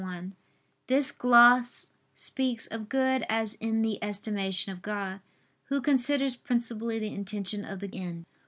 1: This gloss speaks of good as in the estimation of God, Who considers principally the intention of the end.